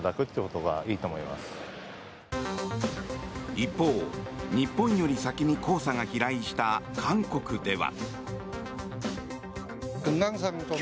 一方、日本より先に黄砂が飛来した韓国では。